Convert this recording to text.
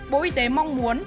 bộ y tế mong muốn